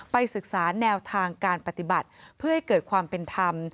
ศึกษาแนวทางการปฏิบัติเพื่อให้เกิดความเป็นธรรม